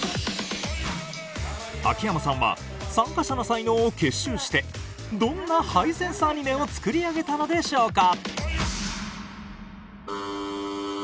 秋山さんは参加者の才能を結集してどんなハイセンスアニメを作り上げたのでしょうか？